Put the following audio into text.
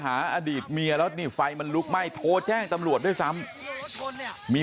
อดีตเมียแล้วนี่ไฟมันลุกไหม้โทรแจ้งตำรวจด้วยซ้ำมี